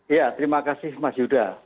ya terima kasih mas yuda